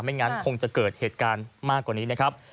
งั้นคงจะเกิดเหตุการณ์มากกว่านี้นะครับ